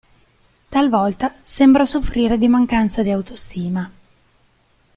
Talvolta, sembra soffrire di mancanza di autostima.